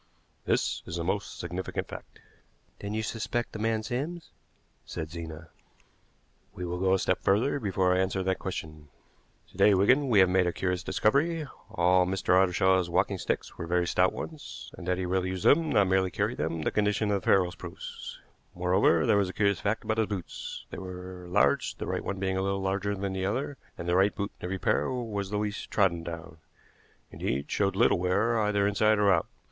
This is a most significant fact." "Then you suspect the man Sims," said Zena. "We will go a step further before I answer that question. To day, Wigan, we have made a curious discovery. All Mr. Ottershaw's walking sticks were very stout ones, and that he really used them, not merely carried them, the condition of the ferrules proves. Moreover, there was a curious fact about his boots. They were large, the right one being a little larger than the other, and the right boot in every pair was the least trodden down indeed, showed little wear either inside or out.